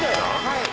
はい。